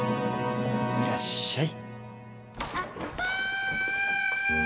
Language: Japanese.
いらっしゃい。